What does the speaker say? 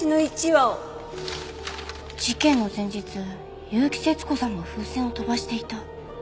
事件の前日結城節子さんも風船を飛ばしていた。